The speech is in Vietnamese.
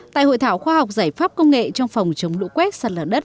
tại hội thảo khoa học giải pháp công nghệ trong phòng chống lũ quét sạt lở đất